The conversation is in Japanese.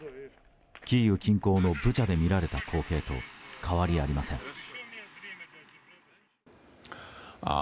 キーウ近郊のブチャで見られた光景と変わりありません。